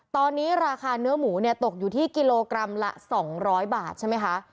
ตอนนี้ราคาเนื้อหมูเนี่ยตกอยู่ที่กิโลกรัมละ๒๐๐บาทใช่ไหมคะ